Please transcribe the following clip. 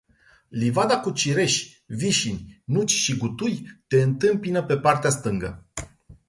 Livada cu cireși, vișini, nuci și gutui te întâmpină pe partea stângă.